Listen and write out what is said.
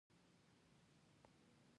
ټولواک ، ټولواکمن، ټولنه، ټولنپوه، ټولنپوهنه